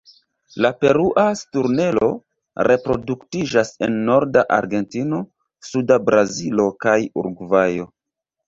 La Perua sturnelo reproduktiĝas en norda Argentino, suda Brazilo, kaj Urugvajo.